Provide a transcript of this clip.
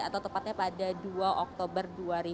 atau tepatnya pada dua oktober dua ribu dua puluh